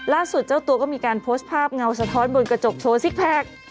เจ้าตัวก็มีการโพสต์ภาพเงาสะท้อนบนกระจกโชว์ซิกแพค